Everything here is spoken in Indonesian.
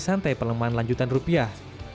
santai pelemahan lanjutan rupiah